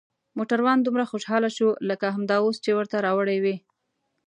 موټروان دومره خوشحاله شو لکه همدا اوس چې ورته راوړي وي.